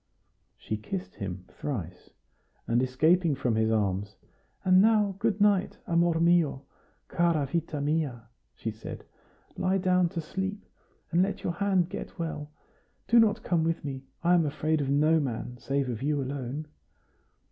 She kissed him thrice, and, escaping from his arms: "And now good night, amor mio, cara vita mia!" she said. "Lie down to sleep, and let your hand get well. Do not come with me; I am afraid of no man, save of you alone."